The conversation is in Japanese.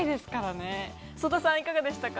曽田さん、いかがでしたか？